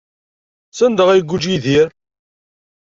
Sanda ay iguǧǧ Yidir?